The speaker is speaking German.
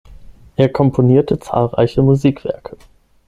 Er komponierte zahlreiche Musikwerke.